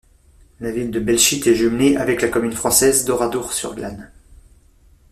La ville de Belchite est jumelée avec la commune française d'Oradour-sur-Glane.